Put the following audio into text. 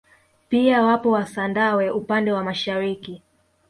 Pia wapo wasandawe upande wa mashariki